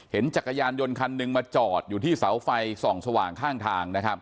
เห็นจักรยานยนต์คัน๑มาจอดอยู่ที่เสาไฟ๒สว่างข้างทาง